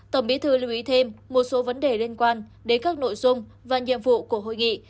tổng bí thư lưu ý thêm một số vấn đề liên quan đến các nội dung và nhiệm vụ của hội nghị